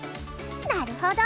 なるほど！